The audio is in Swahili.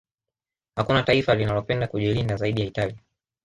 Hakuna taifa linalopenda kujilinda zaidi ya Italia